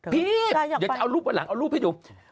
พี่อยากเอารูปลงหลังเอารูปให้ดู